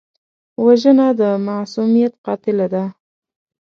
وژنه د معصومیت قاتله ده